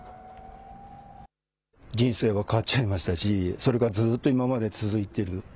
人生が変わっちゃいましたし、それがずっと今まで続いてる。